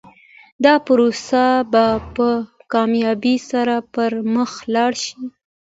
دا پروسه به په کامیابۍ سره پر مخ لاړه شي.